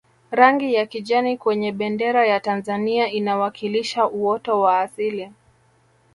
rangi ya kijani kwenye bendera ya tanzania inawakilisha uoto wa asili